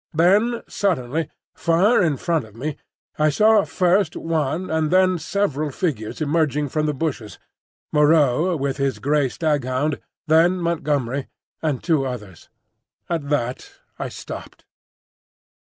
Then suddenly, far in front of me, I saw first one and then several figures emerging from the bushes,—Moreau, with his grey staghound, then Montgomery, and two others. At that I stopped.